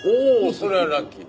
それはラッキー。